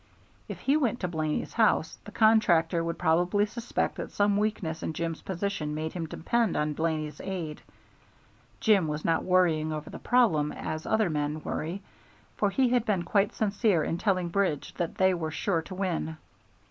If he went to Blaney's house, the contractor would probably suspect that some weakness in Jim's position made him depend on Blaney's aid. Jim was not worrying over the problem as other men worry, for he had been quite sincere in telling Bridge that they were sure to win.